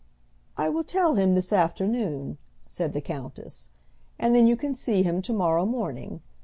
"I will tell him this afternoon," said the countess; "and then you can see him to morrow morning.